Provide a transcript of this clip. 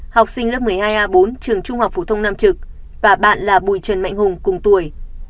học sinh lớp một mươi hai a bốn trường trung học phổ thông nam trực và bạn là bùi trần mạnh hùng cùng tuổi